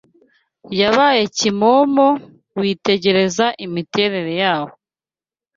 yabaye kimomo witegereza imiterere yawo